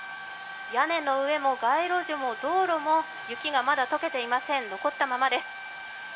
屋根の上も街路樹も道路も雪がまだ解けていません、残ったままです。